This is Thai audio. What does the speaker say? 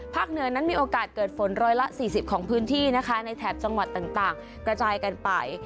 เหนือนั้นมีโอกาสเกิดฝนร้อยละ๔๐ของพื้นที่นะคะในแถบจังหวัดต่างกระจายกันไป